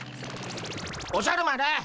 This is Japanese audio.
おじゃる丸。